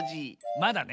「ま」だね。